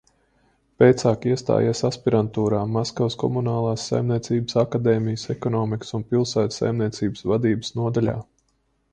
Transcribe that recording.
Pēcāk iestājies aspirantūrā Maskavas Komunālās saimniecības akadēmijas Ekonomikas un pilsētu saimniecības vadības nodaļā.